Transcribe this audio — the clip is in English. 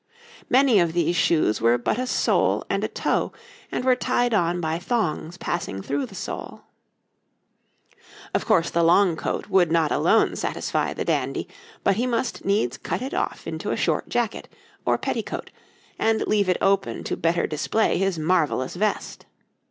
Many of these shoes were but a sole and a toe, and were tied on by thongs passing through the sole. Of course the long coat would not alone satisfy the dandy, but he must needs cut it off into a short jacket, or petti cote, and leave it open to better display his marvellous vest.